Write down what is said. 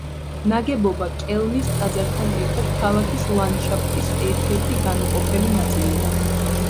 ნაგებობა კელნის ტაძართან ერთად ქალაქის ლანდშაფტის ერთ-ერთი განუყოფელი ნაწილია.